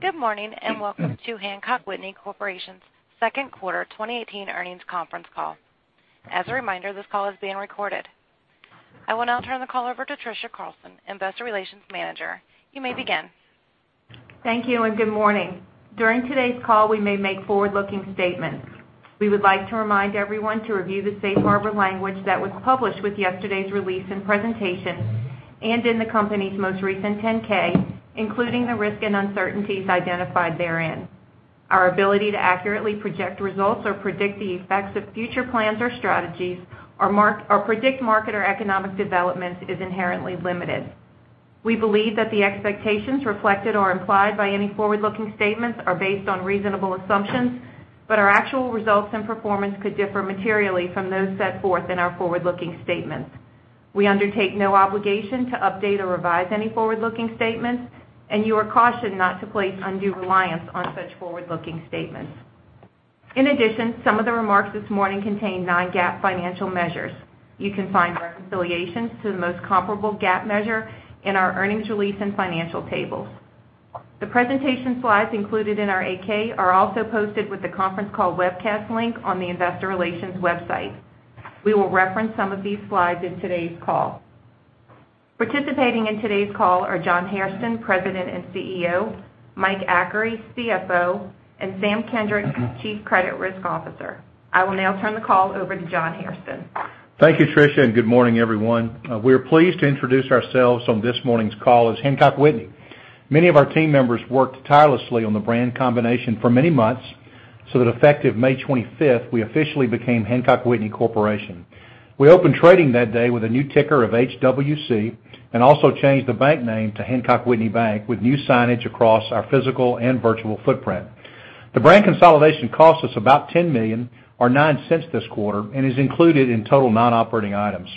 Good morning. Welcome to Hancock Whitney Corporation's second quarter 2018 earnings conference call. As a reminder, this call is being recorded. I will now turn the call over to Trisha Carlson, Investor Relations Manager. You may begin. Thank you. Good morning. During today's call, we may make forward-looking statements. We would like to remind everyone to review the safe harbor language that was published with yesterday's release and presentation, and in the company's most recent 10-K, including the risk and uncertainties identified therein. Our ability to accurately project results or predict the effects of future plans or strategies or predict market or economic developments is inherently limited. We believe that the expectations reflected or implied by any forward-looking statements are based on reasonable assumptions, but our actual results and performance could differ materially from those set forth in our forward-looking statements. We undertake no obligation to update or revise any forward-looking statements, and you are cautioned not to place undue reliance on such forward-looking statements. In addition, some of the remarks this morning contain non-GAAP financial measures. You can find reconciliations to the most comparable GAAP measure in our earnings release and financial tables. The presentation slides included in our 8-K are also posted with the conference call webcast link on the investor relations website. We will reference some of these slides in today's call. Participating in today's call are John Hairston, President and Chief Executive Officer, Mike Achary, Chief Financial Officer, and Sam Kendricks, Chief Credit Risk Officer. I will now turn the call over to John Hairston. Thank you, Tricia. Good morning, everyone. We are pleased to introduce ourselves on this morning's call as Hancock Whitney. Many of our team members worked tirelessly on the brand combination for many months, so that effective May 25th, we officially became Hancock Whitney Corporation. We opened trading that day with a new ticker of HWC and also changed the bank name to Hancock Whitney Bank with new signage across our physical and virtual footprint. The brand consolidation cost us about $10 million, or $0.09 this quarter, and is included in total non-operating items.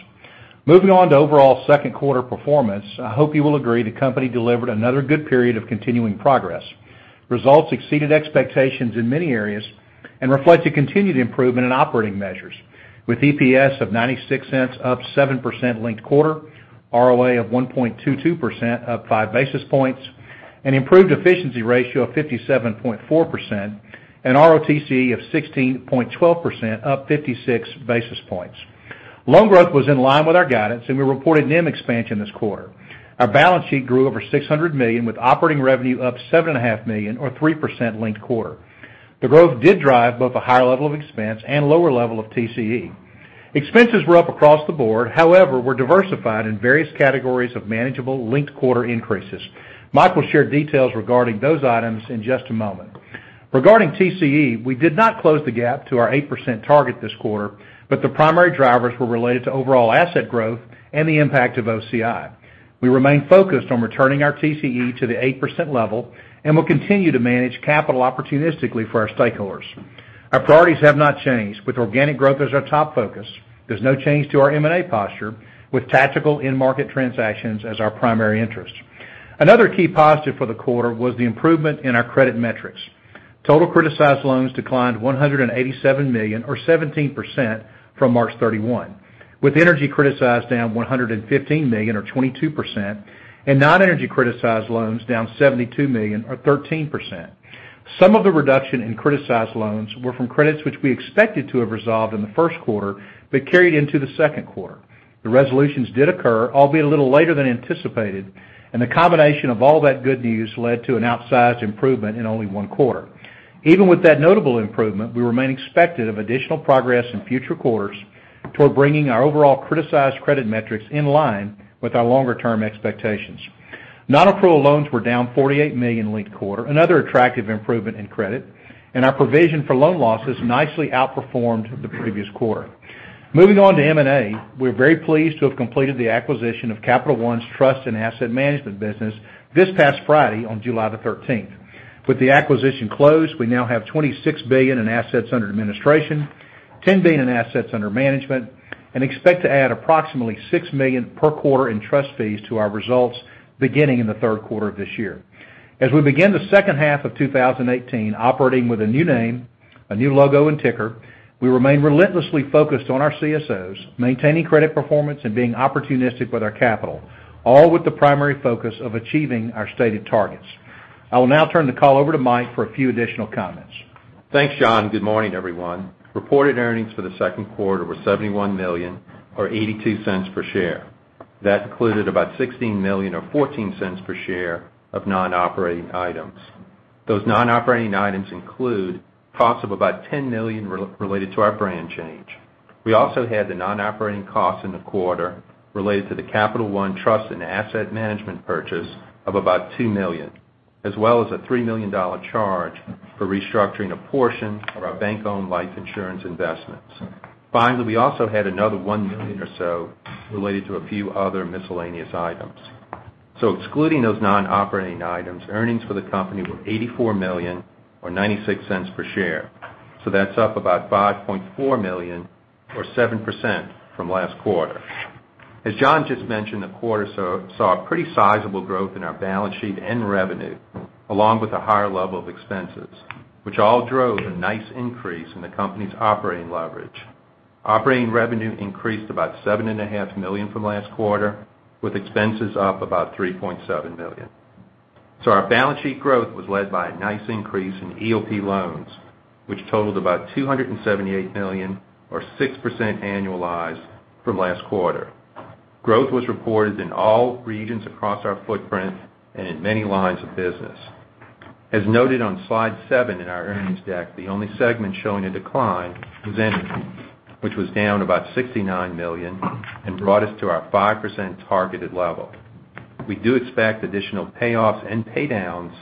Moving on to overall second quarter performance, I hope you will agree the company delivered another good period of continuing progress. Results exceeded expectations in many areas and reflect a continued improvement in operating measures with EPS of $0.96, up 7% linked quarter, ROA of 1.22%, up five basis points, an improved efficiency ratio of 57.4%, and ROTCE of 16.12%, up 56 basis points. Loan growth was in line with our guidance, and we reported NIM expansion this quarter. Our balance sheet grew over $600 million with operating revenue up $7.5 million or 3% linked quarter. The growth did drive both a higher level of expense and lower level of TCE. Expenses were up across the board, however, were diversified in various categories of manageable linked quarter increases. Mike will share details regarding those items in just a moment. Regarding TCE, we did not close the gap to our 8% target this quarter, but the primary drivers were related to overall asset growth and the impact of OCI. We remain focused on returning our TCE to the 8% level and will continue to manage capital opportunistically for our stakeholders. Our priorities have not changed. With organic growth as our top focus, there's no change to our M&A posture with tactical end-market transactions as our primary interest. Another key positive for the quarter was the improvement in our credit metrics. Total criticized loans declined $187 million or 17% from March 31, with energy criticized down $115 million or 22%, and non-energy criticized loans down $72 million or 13%. Some of the reduction in criticized loans were from credits which we expected to have resolved in the first quarter but carried into the second quarter. The resolutions did occur, albeit a little later than anticipated, and the combination of all that good news led to an outsized improvement in only one quarter. Even with that notable improvement, we remain expected of additional progress in future quarters toward bringing our overall criticized credit metrics in line with our longer-term expectations. Non-accrual loans were down $48 million linked quarter, another attractive improvement in credit, and our provision for loan losses nicely outperformed the previous quarter. Moving on to M&A, we're very pleased to have completed the acquisition of Capital One's Trust and Asset Management business this past Friday on July the 13th. With the acquisition closed, we now have $26 billion in assets under administration, $10 billion in assets under management, and expect to add approximately $6 million per quarter in trust fees to our results beginning in the third quarter of this year. As we begin the second half of 2018 operating with a new name, a new logo, and ticker, we remain relentlessly focused on our CSOs, maintaining credit performance, and being opportunistic with our capital, all with the primary focus of achieving our stated targets. I will now turn the call over to Mike for a few additional comments. Thanks, John. Good morning, everyone. Reported earnings for the second quarter were $71 million or $0.82 per share. That included about $16 million or $0.14 per share of non-operating items. Those non-operating items include costs of about $10 million related to our brand change. We also had the non-operating cost in the quarter related to the Capital One Trust and Asset Management purchase of about $2 million, as well as a $3 million charge for restructuring a portion of our bank-owned life insurance investments. Finally, we also had another $1 million or so related to a few other miscellaneous items. Excluding those non-operating items, earnings for the company were $84 million or $0.96 per share. That's up about $5.4 million or 7% from last quarter. As John just mentioned, the quarter saw a pretty sizable growth in our balance sheet and revenue, along with a higher level of expenses, which all drove a nice increase in the company's operating leverage. Operating revenue increased about $7.5 million from last quarter, with expenses up about $3.7 million. Our balance sheet growth was led by a nice increase in EOP loans, which totaled about $278 million or 6% annualized from last quarter. Growth was reported in all regions across our footprint and in many lines of business. As noted on slide seven in our earnings deck, the only segment showing a decline was energy, which was down about $69 million and brought us to our 5% targeted level. We do expect additional payoffs and paydowns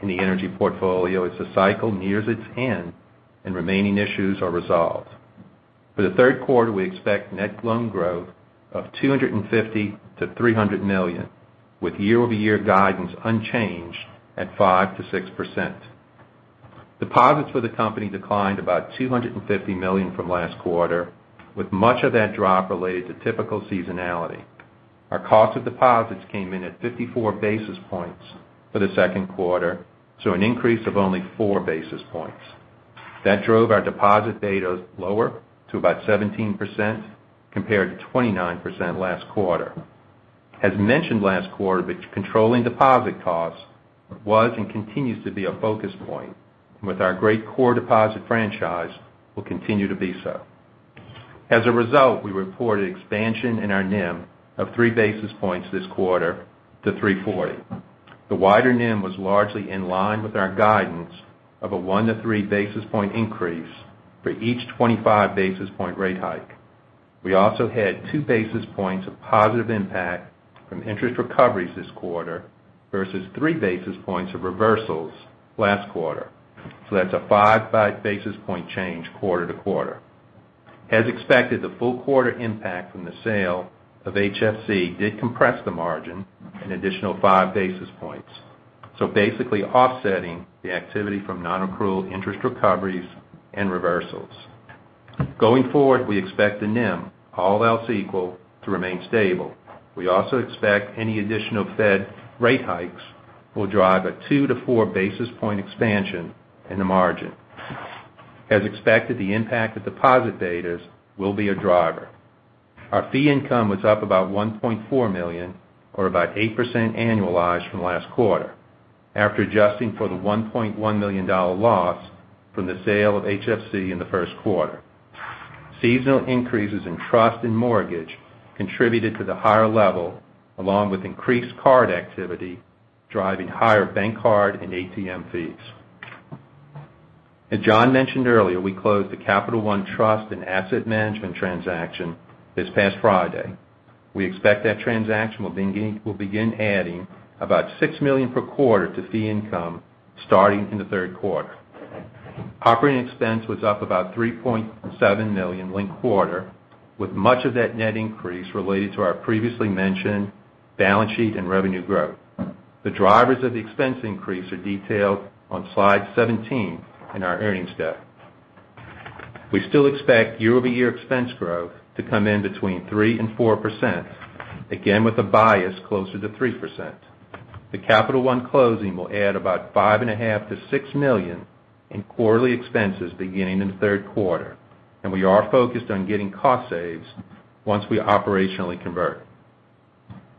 in the energy portfolio as the cycle nears its end and remaining issues are resolved. For the third quarter, we expect net loan growth of $250 million to $300 million, with year-over-year guidance unchanged at 5%-6%. Deposits for the company declined about $250 million from last quarter, with much of that drop related to typical seasonality. Our cost of deposits came in at 54 basis points for the second quarter, an increase of only four basis points. That drove our deposit betas lower to about 17%, compared to 29% last quarter. As mentioned last quarter, controlling deposit costs was and continues to be a focus point, and with our great core deposit franchise, will continue to be so. As a result, we reported expansion in our NIM of three basis points this quarter to 340. The wider NIM was largely in line with our guidance of a one- to three-basis-point increase for each 25-basis-point rate hike. We also had two basis points of positive impact from interest recoveries this quarter versus three basis points of reversals last quarter. That's a five basis-point change quarter to quarter. As expected, the full quarter impact from the sale of HFC did compress the margin an additional five basis-points, basically offsetting the activity from non-accrual interest recoveries and reversals. Going forward, we expect the NIM, all else equal, to remain stable. We also expect any additional Fed rate hikes will drive a two- to four-basis-point expansion in the margin. As expected, the impact of deposit betas will be a driver. Our fee income was up about $1.4 million or about 8% annualized from last quarter, after adjusting for the $1.1 million loss from the sale of HFC in the first quarter. Seasonal increases in trust and mortgage contributed to the higher level, along with increased card activity, driving higher bank card and ATM fees. As John mentioned earlier, we closed the Capital One trust and asset management transaction this past Friday. We expect that transaction will begin adding about $6 million per quarter to fee income starting in the third quarter. Operating expense was up about $3.7 million linked quarter, with much of that net increase related to our previously mentioned balance sheet and revenue growth. The drivers of the expense increase are detailed on slide 17 in our earnings deck. We still expect year-over-year expense growth to come in between 3% and 4%, again, with a bias closer to 3%. The Capital One closing will add about $5.5 million-$6 million in quarterly expenses beginning in the third quarter, and we are focused on getting cost saves once we operationally convert.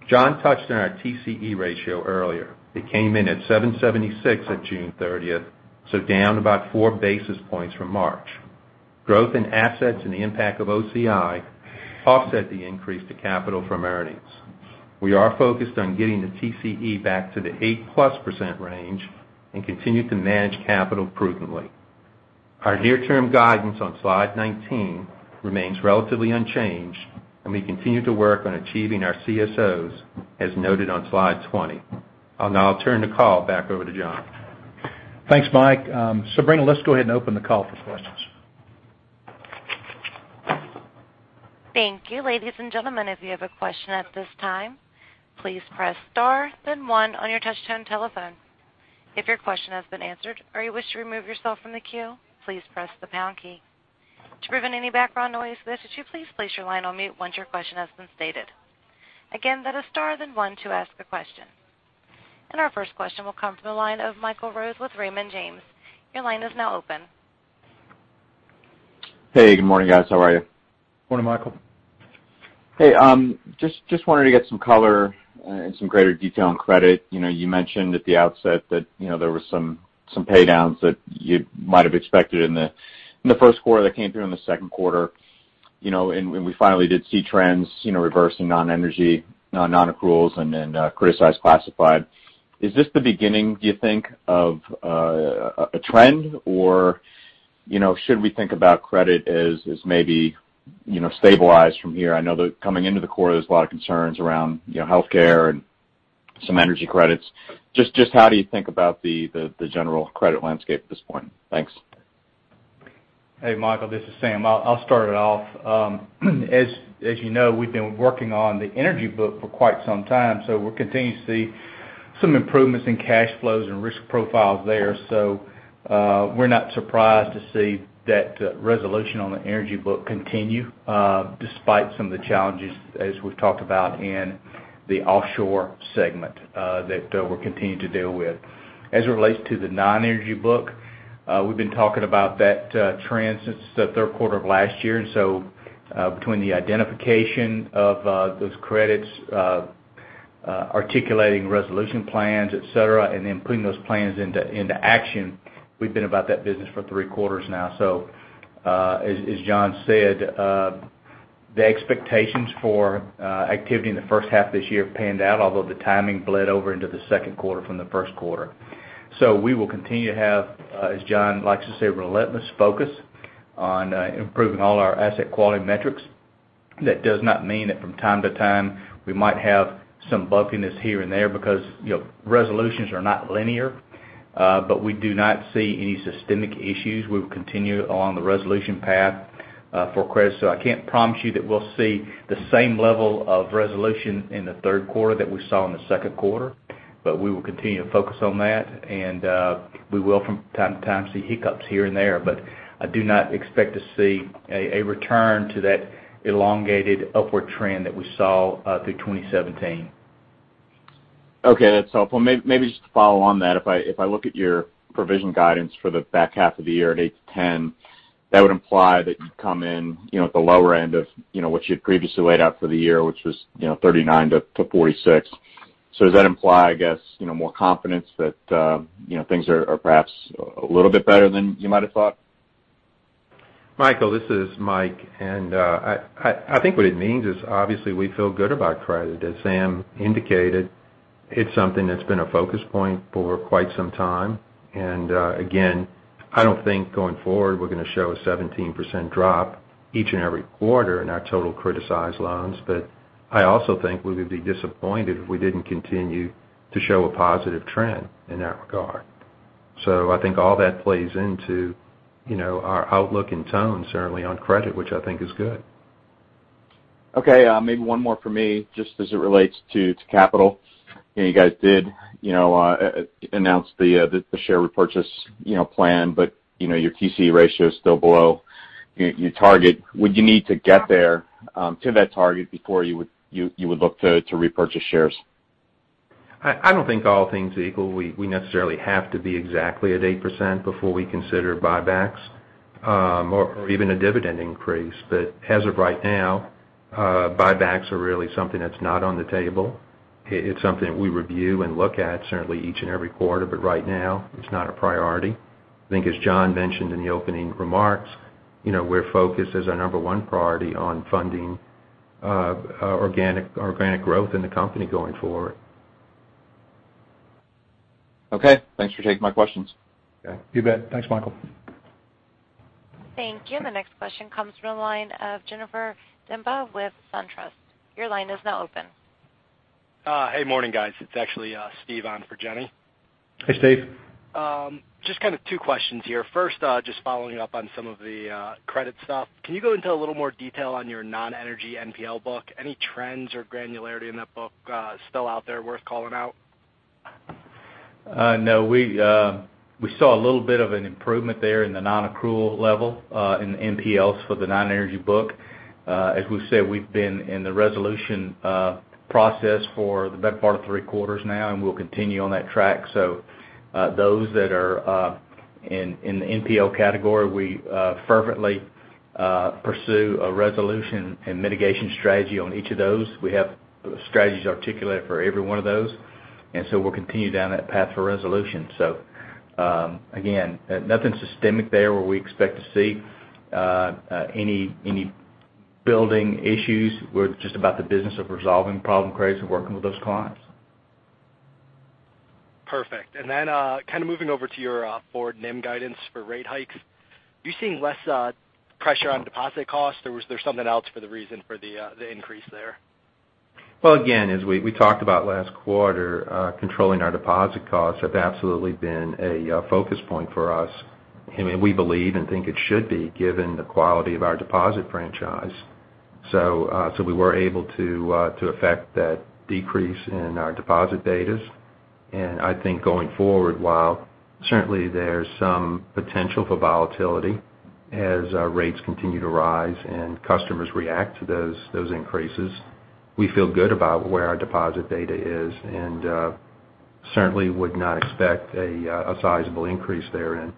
John touched on our TCE ratio earlier. It came in at 7.76% at June 30th, so down about four basis points from March. Growth in assets and the impact of OCI offset the increase to capital from earnings. We are focused on getting the TCE back to the eight-plus % range and continue to manage capital prudently. Our near-term guidance on slide 19 remains relatively unchanged, and we continue to work on achieving our CSOs as noted on slide 20. I'll now turn the call back over to John. Thanks, Mike. Sabrina, let's go ahead and open the call for questions. Thank you. Ladies and gentlemen, if you have a question at this time, please press star then one on your touchtone telephone. If your question has been answered or you wish to remove yourself from the queue, please press the pound key. To prevent any background noise, we ask that you please place your line on mute once your question has been stated. Again, that is star then one to ask a question. Our first question will come from the line of Michael Rose with Raymond James. Your line is now open. Hey, good morning, guys. How are you? Morning, Michael. Hey, just wanted to get some color and some greater detail on credit. You mentioned at the outset that there was some paydowns that you might have expected in the first quarter that came through in the second quarter. We finally did see trends reversing non-energy, non-accruals, and then criticized classified. Is this the beginning, do you think, of a trend, or should we think about credit as maybe stabilized from here? I know that coming into the quarter, there's a lot of concerns around healthcare and some energy credits. Just how do you think about the general credit landscape at this point? Thanks. Hey, Michael. This is Sam. I'll start it off. As you know, we've been working on the energy book for quite some time. We're continuing to see some improvements in cash flows and risk profiles there. We're not surprised to see that resolution on the energy book continue despite some of the challenges as we've talked about in the offshore segment that we're continuing to deal with. As it relates to the non-energy book, we've been talking about that trend since the third quarter of last year. Between the identification of those credits, articulating resolution plans, et cetera, and then putting those plans into action. We've been about that business for three quarters now. As John said, the expectations for activity in the first half of this year panned out, although the timing bled over into the second quarter from the first quarter. We will continue to have, as John likes to say, relentless focus on improving all our asset quality metrics. That does not mean that from time to time, we might have some bumpiness here and there because resolutions are not linear, but we do not see any systemic issues. We will continue on the resolution path for credit. I can't promise you that we'll see the same level of resolution in the third quarter that we saw in the second quarter, but we will continue to focus on that, and we will, from time to time, see hiccups here and there. I do not expect to see a return to that elongated upward trend that we saw through 2017. Okay, that's helpful. Maybe just to follow on that, if I look at your provision guidance for the back half of the year at 8%-10%, that would imply that you'd come in at the lower end of what you had previously laid out for the year, which was 39%-46%. Does that imply, I guess, more confidence that things are perhaps a little bit better than you might have thought? Michael, this is Mike, and I think what it means is obviously we feel good about credit. As Sam indicated, it's something that's been a focus point for quite some time. Again, I don't think going forward, we're going to show a 17% drop each and every quarter in our total criticized loans. I also think we would be disappointed if we didn't continue to show a positive trend in that regard. I think all that plays into our outlook and tone certainly on credit, which I think is good. Okay. Maybe one more from me, just as it relates to capital. You guys did announce the share repurchase plan, your TCE ratio is still below your target. Would you need to get there, to that target, before you would look to repurchase shares? I don't think all things equal, we necessarily have to be exactly at 8% before we consider buybacks, or even a dividend increase. As of right now, buybacks are really something that's not on the table. It's something that we review and look at certainly each and every quarter, but right now, it's not a priority. I think as John mentioned in the opening remarks, we're focused as our number one priority on funding organic growth in the company going forward. Okay. Thanks for taking my questions. Okay. You bet. Thanks, Michael. Thank you. The next question comes from the line of Jennifer Demba with SunTrust. Your line is now open. Hey, morning guys. It's actually Steve on for Jennifer Demba. Hey, Steve. Just kind of two questions here. First, just following up on some of the credit stuff. Can you go into a little more detail on your non-energy NPL book? Any trends or granularity in that book still out there worth calling out? No. We saw a little bit of an improvement there in the non-accrual level in NPLs for the non-energy book. As we've said, we've been in the resolution process for the better part of three quarters now. We'll continue on that track. Those that are in the NPL category, we fervently pursue a resolution and mitigation strategy on each of those. We have strategies articulated for every one of those. We'll continue down that path for resolution. Again, nothing systemic there where we expect to see any building issues. We're just about the business of resolving problem credits and working with those clients. Perfect. Then, kind of moving over to your forward NIM guidance for rate hikes. Are you seeing less pressure on deposit costs, or was there something else for the reason for the increase there? Well, again, as we talked about last quarter, controlling our deposit costs have absolutely been a focus point for us. We believe and think it should be given the quality of our deposit franchise. We were able to effect that decrease in our deposit betas. I think going forward, while certainly there's some potential for volatility as rates continue to rise and customers react to those increases, we feel good about where our deposit beta is, and certainly would not expect a sizable increase therein.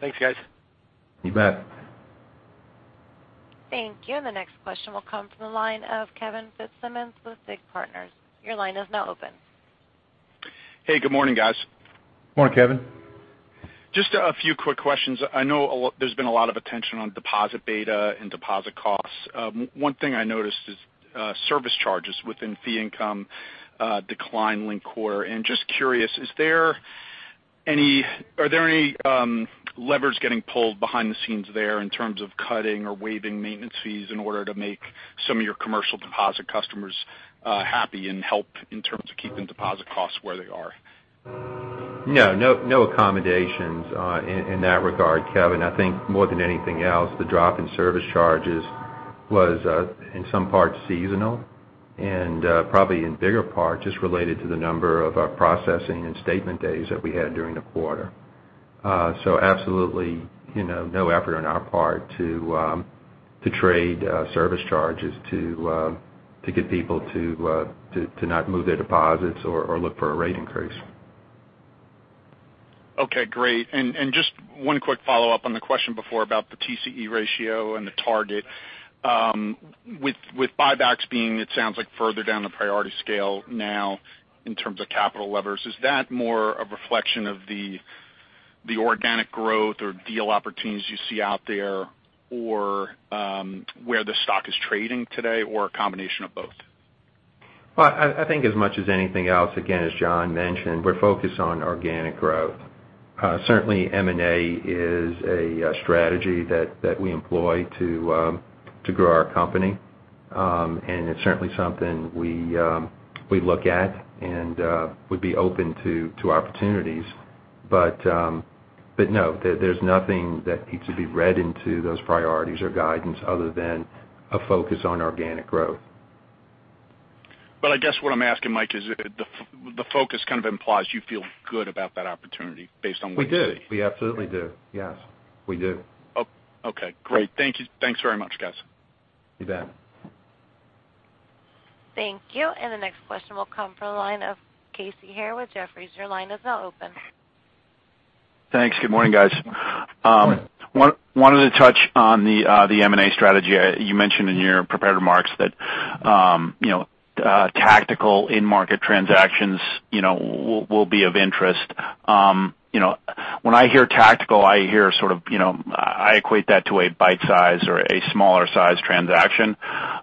Thanks, guys. You bet. Thank you. The next question will come from the line of Kevin Fitzsimmons with Hovde Group. Your line is now open. Hey, good morning, guys. Morning, Kevin. Just a few quick questions. I know there's been a lot of attention on deposit beta and deposit costs. One thing I noticed is service charges within fee income declined linked quarter. Just curious, are there any levers getting pulled behind the scenes there in terms of cutting or waiving maintenance fees in order to make some of your commercial deposit customers happy and help in terms of keeping deposit costs where they are? No. No accommodations in that regard, Kevin. I think more than anything else, the drop in service charges was, in some part, seasonal and probably in bigger part, just related to the number of our processing and statement days that we had during the quarter. Absolutely no effort on our part to trade service charges to get people to not move their deposits or look for a rate increase. Okay, great. Just one quick follow-up on the question before about the TCE ratio and the target. With buybacks being, it sounds like further down the priority scale now in terms of capital levers, is that more a reflection of the organic growth or deal opportunities you see out there, or where the stock is trading today, or a combination of both? Well, I think as much as anything else, again, as John mentioned, we're focused on organic growth. Certainly, M&A is a strategy that we employ to grow our company. It's certainly something we look at, and would be open to opportunities. No, there's nothing that needs to be read into those priorities or guidance other than a focus on organic growth. I guess what I'm asking, Mike, is the focus kind of implies you feel good about that opportunity based on what you see. We do. We absolutely do. Yes. We do. Okay, great. Thank you. Thanks very much, guys. You bet. Thank you. The next question will come from the line of Casey Haire with Jefferies. Your line is now open. Thanks. Good morning, guys. Good morning. Wanted to touch on the M&A strategy. You mentioned in your prepared remarks that tactical in-market transactions will be of interest. When I hear tactical, I equate that to a bite-size or a smaller size transaction.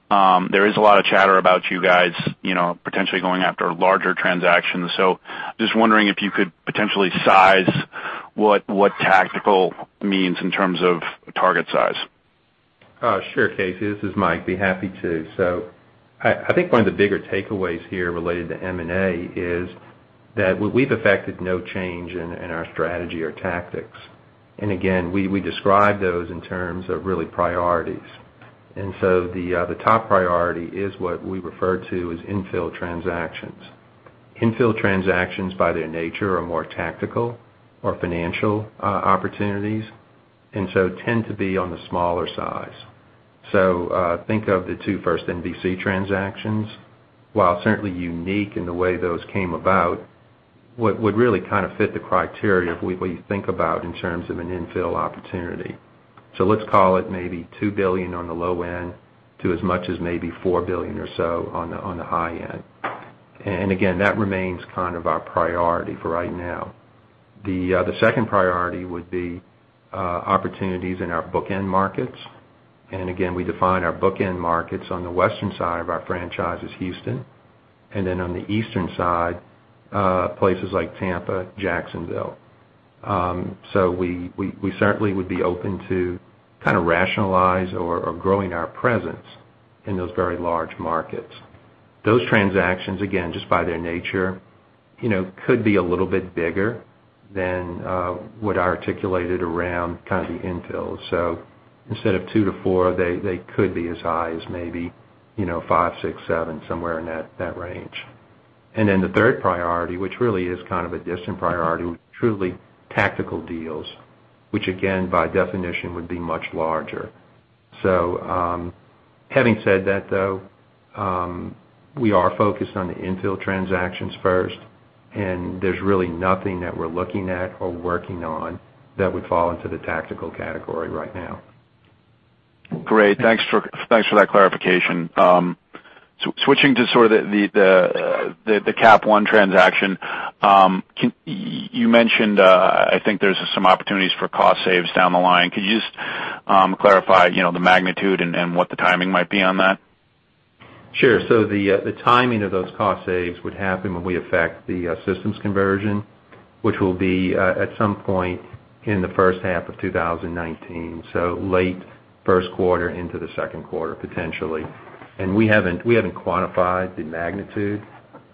There is a lot of chatter about you guys potentially going after larger transactions. Just wondering if you could potentially size what tactical means in terms of target size. Sure, Casey, this is Mike, be happy to. I think one of the bigger takeaways here related to M&A is that we've affected no change in our strategy or tactics. Again, we describe those in terms of really priorities. The top priority is what we refer to as infill transactions. Infill transactions by their nature are more tactical or financial opportunities, and so tend to be on the smaller size. Think of the two First NBC transactions. While certainly unique in the way those came about, would really kind of fit the criteria of what you think about in terms of an infill opportunity. Let's call it maybe $2 billion on the low end, to as much as maybe $4 billion or so on the high end. Again, that remains kind of our priority for right now. The other second priority would be opportunities in our bookend markets. Again, we define our bookend markets on the western side of our franchise as Houston, and then on the eastern side, places like Tampa, Jacksonville. We certainly would be open to kind of rationalize or growing our presence in those very large markets. Those transactions, again, just by their nature, could be a little bit bigger than what I articulated around kind of the infill. Instead of two to four, they could be as high as maybe five, six, seven, somewhere in that range. The third priority, which really is kind of a distant priority, would be truly tactical deals, which again, by definition would be much larger. Having said that though, we are focused on the infill transactions first, and there's really nothing that we're looking at or working on that would fall into the tactical category right now. Great. Thanks for that clarification. Switching to sort of the Capital One transaction. You mentioned, I think there's some opportunities for cost saves down the line. Could you just clarify the magnitude and what the timing might be on that? Sure. The timing of those cost saves would happen when we affect the systems conversion, which will be at some point in the first half of 2019. Late first quarter into the second quarter, potentially. We haven't quantified the magnitude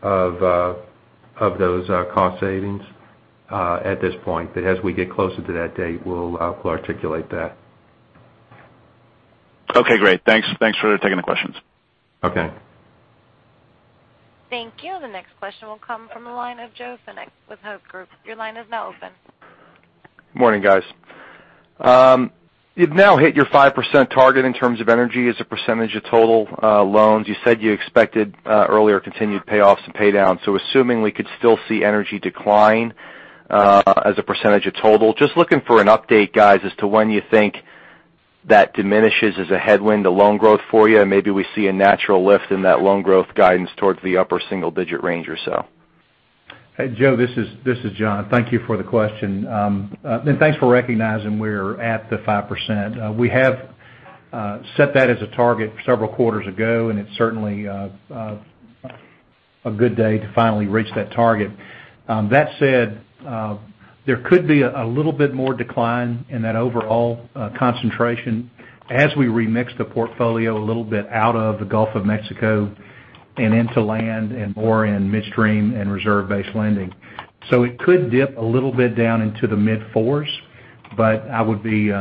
of those cost savings at this point. As we get closer to that date, we'll articulate that. Okay, great. Thanks for taking the questions. Okay. Thank you. The next question will come from the line of Joseph Fenech with Hovde Group. Your line is now open. Morning, guys. You've now hit your 5% target in terms of energy as a percentage of total loans. You said you expected earlier continued payoffs and pay downs. Assuming we could still see energy decline as a percentage of total, just looking for an update, guys, as to when you think that diminishes as a headwind to loan growth for you, and maybe we see a natural lift in that loan growth guidance towards the upper single-digit range or so. Hey, Joe, this is John. Thank you for the question. Thanks for recognizing we're at the 5%. We have set that as a target several quarters ago, and it's certainly a good day to finally reach that target. That said, there could be a little bit more decline in that overall concentration as we remix the portfolio a little bit out of the Gulf of Mexico and into land and more in midstream and reserve-based lending. It could dip a little bit down into the mid-fours, but I would be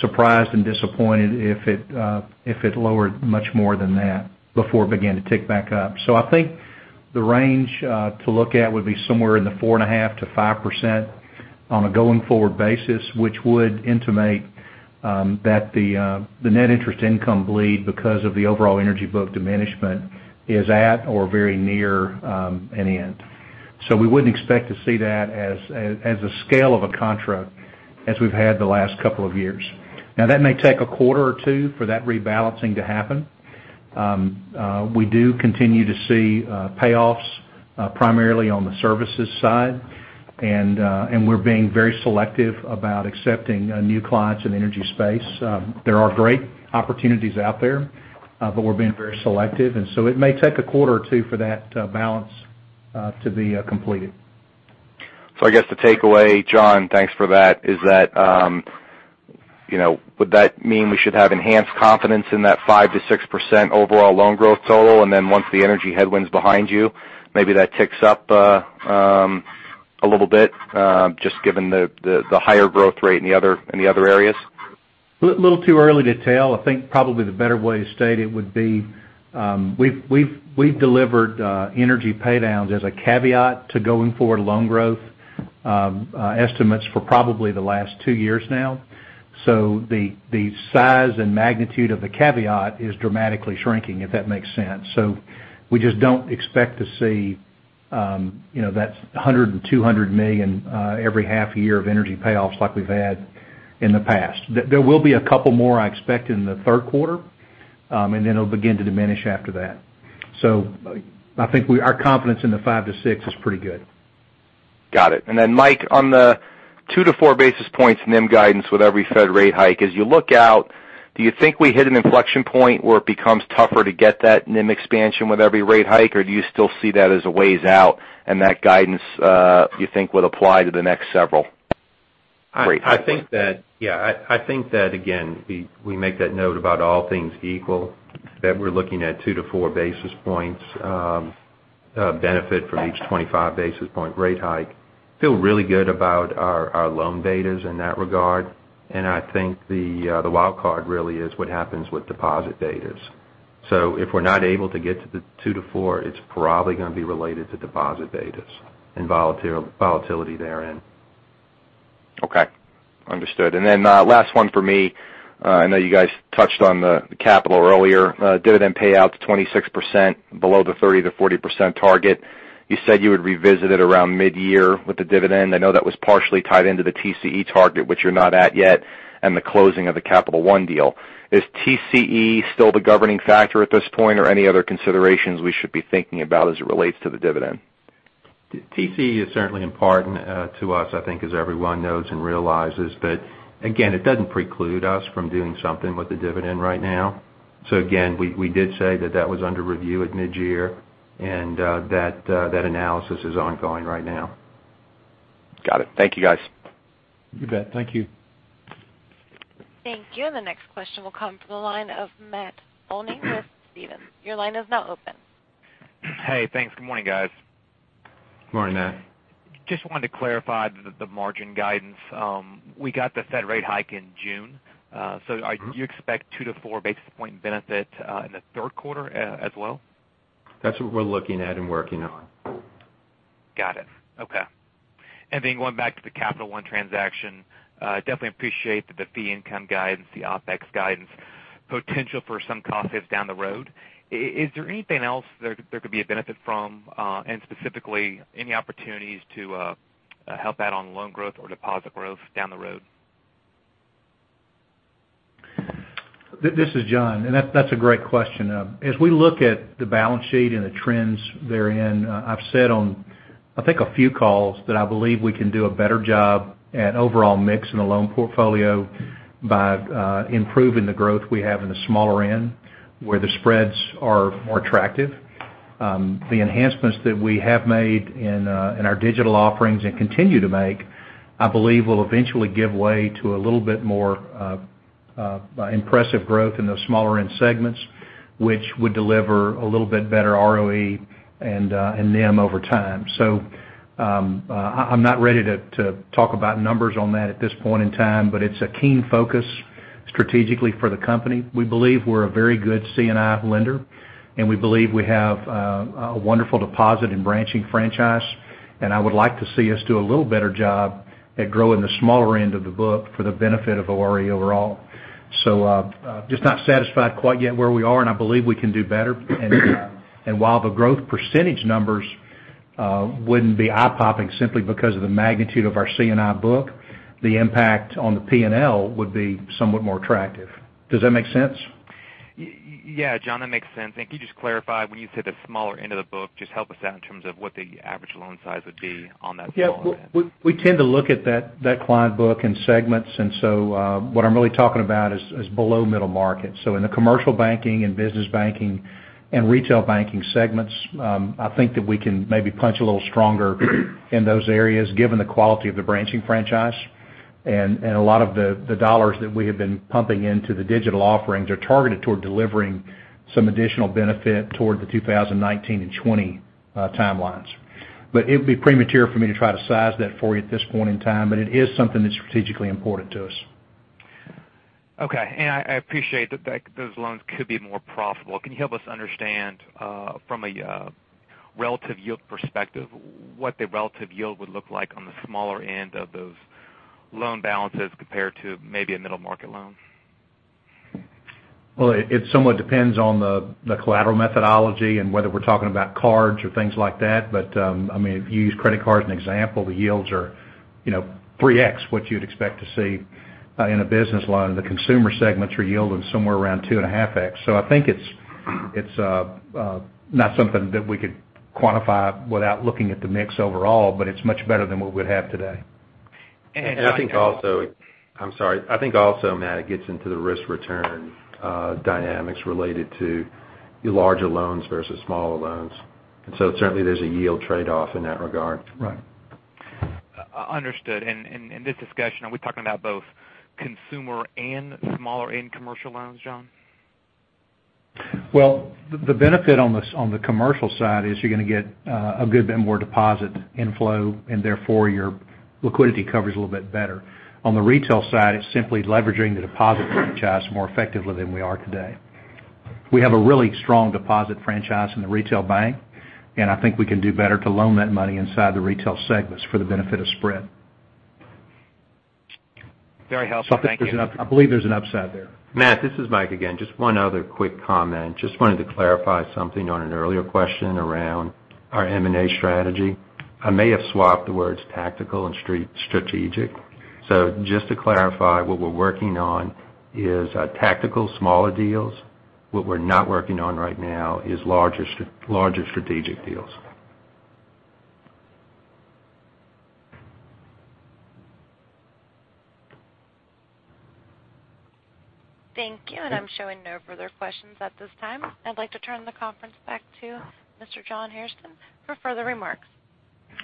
surprised and disappointed if it lowered much more than that before it began to tick back up. I think the range to look at would be somewhere in the 4.5%-5% on a going-forward basis, which would intimate that the net interest income bleed because of the overall energy book diminishment is at or very near an end. We wouldn't expect to see that as a scale of a contra as we've had the last couple of years. That may take a quarter or two for that rebalancing to happen. We do continue to see payoffs, primarily on the services side, and we're being very selective about accepting new clients in the energy space. There are great opportunities out there, but we're being very selective, and it may take a quarter or two for that balance to be completed. I guess the takeaway, John, thanks for that, is that, would that mean we should have enhanced confidence in that 5%-6% overall loan growth total? Once the energy headwind's behind you, maybe that ticks up a little bit, just given the higher growth rate in the other areas? Little too early to tell. I think probably the better way to state it would be, we've delivered energy pay-downs as a caveat to going forward loan growth estimates for probably the last two years now. The size and magnitude of the caveat is dramatically shrinking, if that makes sense. We just don't expect to see that $100 million and $200 million every half year of energy payoffs like we've had in the past. There will be a couple more, I expect, in the third quarter, and it'll begin to diminish after that. I think our confidence in the 5%-6% is pretty good. Got it. Mike, on the two to four basis points NIM guidance with every Fed rate hike, as you look out, do you think we hit an inflection point where it becomes tougher to get that NIM expansion with every rate hike, or do you still see that as a ways out, and that guidance you think would apply to the next several rate hikes? I think that, again, we make that note about all things equal, that we're looking at two to four basis points of benefit from each 25 basis point rate hike. Feel really good about our loan betas in that regard, and I think the wild card really is what happens with deposit betas. If we're not able to get to the two to four, it's probably going to be related to deposit betas and volatility therein. Okay. Understood. Last one for me. I know you guys touched on the capital earlier. Dividend payout to 26%, below the 30%-40% target. You said you would revisit it around mid-year with the dividend. I know that was partially tied into the TCE target, which you're not at yet, and the closing of the Capital One deal. Is TCE still the governing factor at this point, or any other considerations we should be thinking about as it relates to the dividend? TCE is certainly important to us, I think as everyone knows and realizes. Again, it doesn't preclude us from doing something with the dividend right now. Again, we did say that that was under review at mid-year, and that analysis is ongoing right now. Got it. Thank you, guys. You bet. Thank you. Thank you. The next question will come from the line of Matt Olney with Stephens. Your line is now open. Hey, thanks. Good morning, guys. Good morning, Matt. Just wanted to clarify the margin guidance. We got the Fed rate hike in June. You expect two to four basis point benefit in the third quarter as well? That's what we're looking at and working on. Got it. Okay. Going back to the Capital One transaction, definitely appreciate the fee income guidance, the OpEx guidance, potential for some cost saves down the road. Is there anything else there could be a benefit from, and specifically, any opportunities to help out on loan growth or deposit growth down the road? This is John, that's a great question. As we look at the balance sheet and the trends therein, I've said on, I think, a few calls that I believe we can do a better job at overall mix in the loan portfolio by improving the growth we have in the smaller end, where the spreads are more attractive. The enhancements that we have made in our digital offerings and continue to make, I believe will eventually give way to a little bit more impressive growth in those smaller end segments, which would deliver a little bit better ROE and NIM over time. I'm not ready to talk about numbers on that at this point in time, but it's a keen focus strategically for the company. We believe we're a very good C&I lender, and we believe we have a wonderful deposit in branching franchise, and I would like to see us do a little better job at growing the smaller end of the book for the benefit of ROE overall. Just not satisfied quite yet where we are, and I believe we can do better. While the growth % numbers wouldn't be eye-popping simply because of the magnitude of our C&I book, the impact on the P&L would be somewhat more attractive. Does that make sense? Yeah, John, that makes sense. Can you just clarify, when you say the smaller end of the book, just help us out in terms of what the average loan size would be on that smaller end. Yeah. We tend to look at that client book in segments. What I'm really talking about is below middle market. In the commercial banking and business banking and retail banking segments, I think that we can maybe punch a little stronger in those areas, given the quality of the branching franchise. A lot of the dollars that we have been pumping into the digital offerings are targeted toward delivering some additional benefit toward the 2019 and 2020 timelines. It would be premature for me to try to size that for you at this point in time, but it is something that's strategically important to us. Okay. I appreciate that those loans could be more profitable. Can you help us understand from a relative yield perspective, what the relative yield would look like on the smaller end of those loan balances compared to maybe a middle-market loan? Well, it somewhat depends on the collateral methodology and whether we're talking about cards or things like that. If you use credit cards as an example, the yields are 3X what you'd expect to see in a business loan. The consumer segments are yielding somewhere around 2.5X. I think it's not something that we could quantify without looking at the mix overall, but it's much better than what we'd have today. I think also, Matt, it gets into the risk-return dynamics related to your larger loans versus smaller loans. Certainly, there's a yield trade-off in that regard. Right. Understood. In this discussion, are we talking about both consumer and smaller end commercial loans, John? Well, the benefit on the commercial side is you're going to get a good bit more deposit inflow, and therefore, your liquidity coverage a little bit better. On the retail side, it's simply leveraging the deposit franchise more effectively than we are today. We have a really strong deposit franchise in the retail bank, and I think we can do better to loan that money inside the retail segments for the benefit of spread. Very helpful. Thank you. I believe there's an upside there. Matt, this is Mike again. Just one other quick comment. Just wanted to clarify something on an earlier question around our M&A strategy. I may have swapped the words tactical and strategic. Just to clarify, what we're working on is tactical smaller deals. What we're not working on right now is larger strategic deals. Thank you. I'm showing no further questions at this time. I'd like to turn the conference back to Mr. John Hairston for further remarks.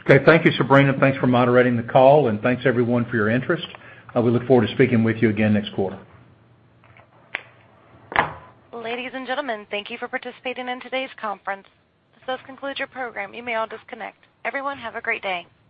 Okay. Thank you, Sabrina. Thanks for moderating the call. Thanks, everyone, for your interest. We look forward to speaking with you again next quarter. Ladies and gentlemen, thank you for participating in today's conference. This does conclude your program. You may all disconnect. Everyone, have a great day.